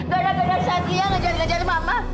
gara gara satria ngejar ngejar mama